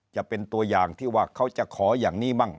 จะเป็นตัวอย่างที่ว่าเขาจะขออย่างนี้บ้าง